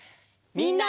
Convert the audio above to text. みんな！